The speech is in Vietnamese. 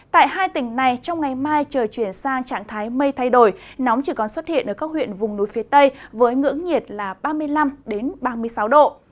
tại hai tỉnh này trong ngày mai trời chuyển sang trạng thái mây thay đổi nóng chỉ còn xuất hiện ở các huyện vùng núi phía tây với ngưỡng nhiệt là ba mươi năm ba mươi sáu độ